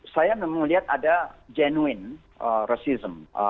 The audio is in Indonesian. saya memang melihat ada genuine rasisme